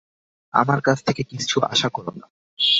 আমার কাছ থেকে কিছু আশা কর না।